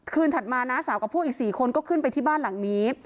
ถัดมาน้าสาวกับพวกอีก๔คนก็ขึ้นไปที่บ้านหลังนี้